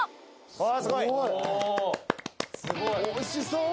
すごいおいしそう。